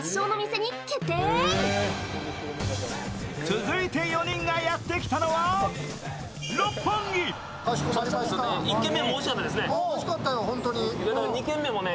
続いて４人がやってきたのは六本木。